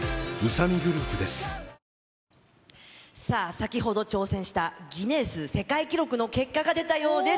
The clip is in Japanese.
先ほど挑戦したギネス世界記録の結果が出たようです。